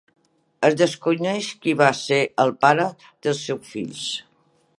Es desconeix qui va ser el pare dels seus fills.